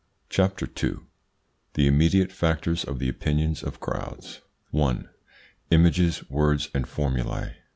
CHAPTER II THE IMMEDIATE FACTORS OF THE OPINIONS OF CROWDS 1. IMAGES, WORDS AND FORMULAE.